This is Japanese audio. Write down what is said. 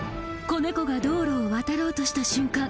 子猫が道路を渡ろうとした瞬間